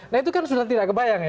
nah itu kan sudah tidak kebayang ya